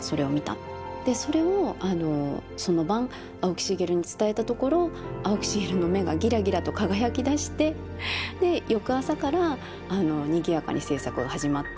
でそれをその晩青木繁に伝えたところ青木繁の目がギラギラと輝きだしてで翌朝からにぎやかに制作が始まった。